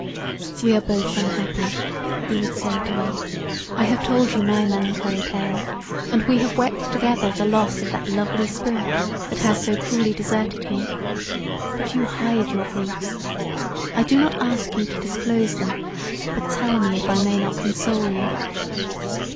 "We are both unhappy " he would say to me; "I have told you my melancholy tale and we have wept together the loss of that lovely spirit that has so cruelly deserted me; but you hide your griefs: I do not ask you to disclose them, but tell me if I may not console you.